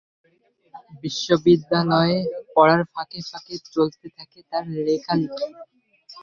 বিশ্ববিদ্যালয়ে পড়ার ফাঁকে ফাঁকে চলতে থাকে তার লেখালেখি।